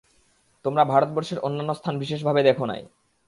তোমরা ভারতবর্ষের অন্যান্য স্থান বিশেষভাবে দেখ নাই।